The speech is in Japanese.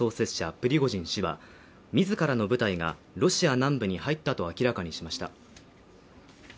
プリゴジン氏は、自らの部隊がロシア南部に入ったと明らかにしました。